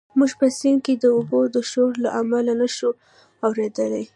موږ په سیند کې د اوبو د شور له امله نه شوای اورېدلی.